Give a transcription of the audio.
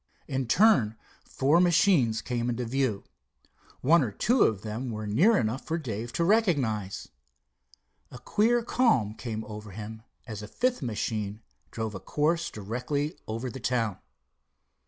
In turn four machines came into view. One or two of them were near enough for Dave to recognize. A queer qualm came over him as a fifth machine drove a course directly over the town.